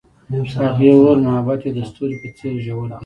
هغې وویل محبت یې د ستوري په څېر ژور دی.